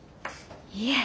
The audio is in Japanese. いえ。